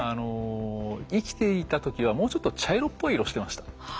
生きていた時はもうちょっと茶色っぽい色してました。